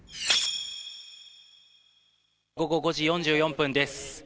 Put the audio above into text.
午後５時４４分です。